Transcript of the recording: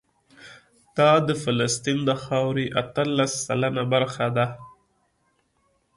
دا د فلسطین د خاورې اتلس سلنه برخه ده.